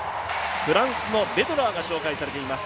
フランスのベドラーが紹介されています。